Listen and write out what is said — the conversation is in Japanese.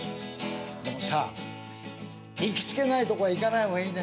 でもさ行きつけないとこは行かない方がいいね。